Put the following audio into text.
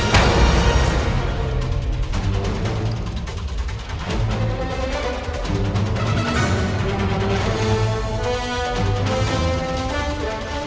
tuhan lo bernama mama